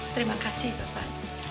terima kasih bapak